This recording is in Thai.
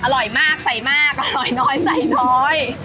อร่อยมากใส่มากอร่อยน้อยใส่น้อย